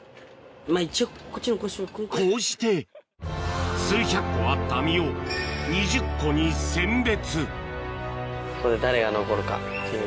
こうして数百個あった実を２０個に選別